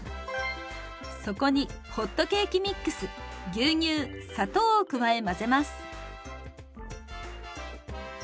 そこにホットケーキミックス牛乳砂糖を加え混ぜます。